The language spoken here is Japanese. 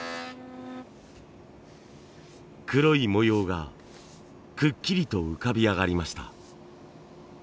黒い模様がくっきりと浮かび上がりました。